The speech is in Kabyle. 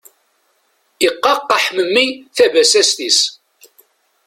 Iqaqqaḥ mmi tabasast-is.